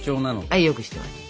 はいよく知ってます。